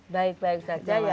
baik baik saja ya